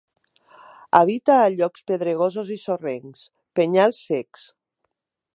Habita a llocs pedregosos i sorrencs, penyals secs.